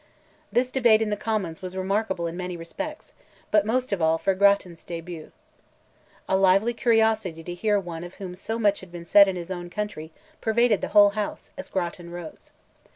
This debate in the Commons was remarkable in many respects, but most of all for Grattan's debut. A lively curiosity to hear one of whom so much had been said in his own country, pervaded the whole House, as Grattan rose.